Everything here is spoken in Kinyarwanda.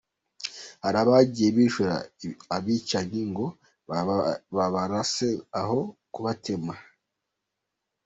Hari abagiye bishyura abicanyi ngo babarase aho kubatema.